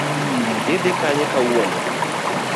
Idhi Kanye kawuono?